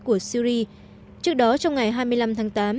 của syri trước đó trong ngày hai mươi năm tháng tám